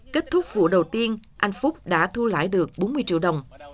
kết thúc vụ đầu tiên anh phúc đã thu lại được bốn mươi triệu đồng